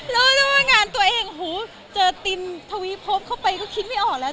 รู้แล้วว่างานตัวเองหูเจอตินทวีพบเข้าไปก็คิดไม่ออกแล้ว